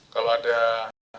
kalau ada yang tanyakan silakan